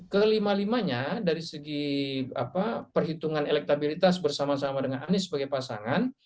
kelima limanya dari segi perhitungan elektabilitas bersama sama dengan anies sebagai pasangan